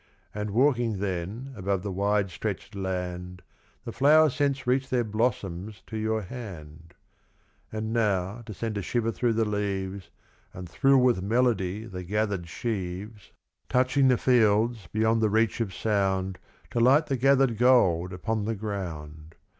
And walking then above the wide stretched land The flower scents reach their blossoms to your hand ; And now to send a shiver through the leaves And thrill with melody the gathered sheaves. Touching the fields beyond the reach of sound To light the gathered gold upon the ground.